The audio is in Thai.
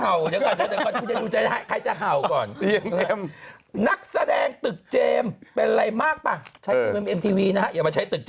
เอาช่องวันในกรรมนี้ไงเอาช่องวันในตึก